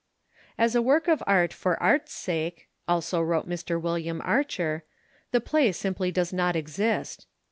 "As a work of art for art's sake," also wrote Mr. William Archer, "the play simply does not exist."